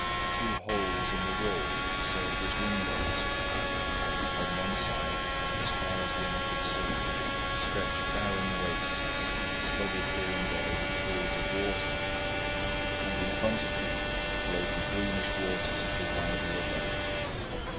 Two holes in the wall served as windows. On one side, as far as the eye could see, stretched barren wastes studded here and there with pools of water; and in front of him flowed the greenish waters of the wide river.